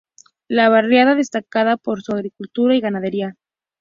La barriada destaca por su agricultura y ganadería.